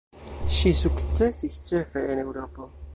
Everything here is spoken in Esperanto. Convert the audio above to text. Ŝi sukcesis ĉefe en Eŭropo.